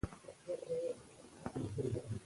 پښتو ژبه به تل وځلیږي.